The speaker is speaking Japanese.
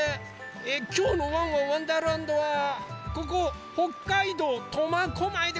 えきょうの「ワンワンわんだーらんど」はここ北海道苫小牧でござんすよ。